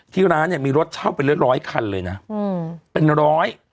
ร้านเนี่ยมีรถเช่าเป็นร้อยร้อยคันเลยนะอืมเป็นร้อย